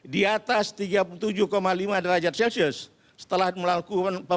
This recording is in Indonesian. di atas tiga puluh tujuh lima derajat celcius setelah melakukan